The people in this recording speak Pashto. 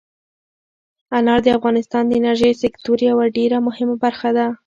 انار د افغانستان د انرژۍ سکتور یوه ډېره مهمه برخه ده.